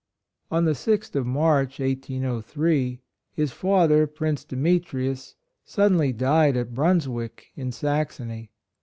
On the 6th of March, 1803, his father, Prince Demetrius, suddenly died at .Brunswick, in Saxony.